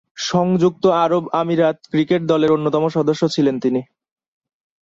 সংযুক্ত আরব আমিরাত ক্রিকেট দলের অন্যতম সদস্য ছিলেন তিনি।